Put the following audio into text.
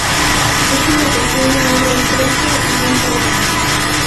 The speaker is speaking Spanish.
Es una pequeña obra histórica y muy fresca.